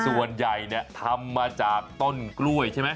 ส่วนใหญ่ทำมาจากต้นกล้วยใช่ไหม